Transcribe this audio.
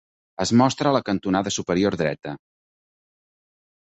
Es mostra a la cantonada superior dreta.